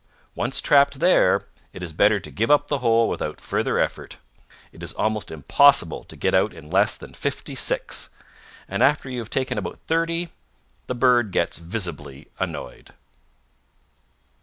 Once trapped there, it is better to give up the hole without further effort. It is almost impossible to get out in less than fifty six, and after you have taken about thirty the bird gets visibly annoyed.